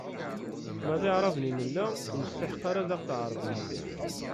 Ma d Aɛraben i nella, ur nesteḥq ad aɣ-tɛerbem.